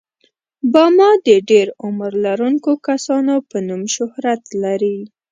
باما د ډېر عمر لرونکو کسانو په نوم شهرت لري.